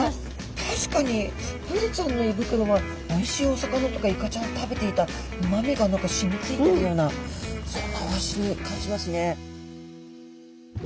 確かにブリちゃんの胃袋はおいしいお魚とかイカちゃんを食べていたうまみが染みついてるようなそんなお味に感じますね。